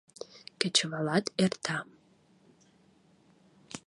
— Кечывалат эрта...